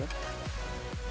amisnya pun tidak terlalu kesel